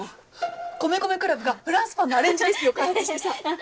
米米ＣＬＵＢがフランスパンのアレンジレシピを開発してさ。